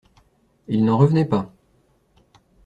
Il n'en revenait pas.